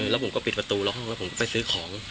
แล้วผมก็ปิดประตูแล้วห้องแล้วผมไปซื้อของ